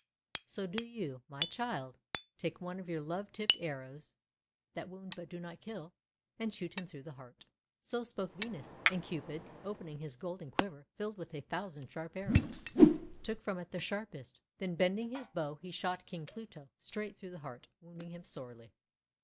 So do you, my Child, take one of your love tipped arrows — that wound but do not kill — and shoot him through the heart." So spoke Venus. And Cupid, opening his golden quiver filled with a thousand sharp arrows, took from it the sharpest. Then bending his bow he shot King Pluto straight through the heart, wounding him sorely.